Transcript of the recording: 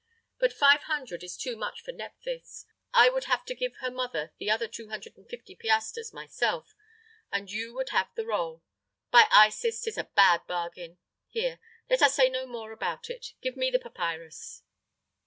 But five hundred is too much for Nephthys. I would have to give her mother the other two hundred and fifty piastres myself and you would have the roll. By Isis, 'tis a bad bargain! Here; let us say no more about it. Give me the papyrus."